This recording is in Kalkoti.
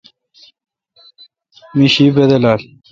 می شی بدلال ۔